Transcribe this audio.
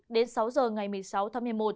đến sáu giờ ngày một mươi sáu tháng một mươi một